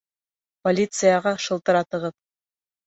Полицияға шылтыратығыҙ